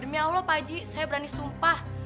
demi allah pak haji saya berani sumpah